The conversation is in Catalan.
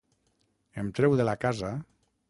Em treu de la casa...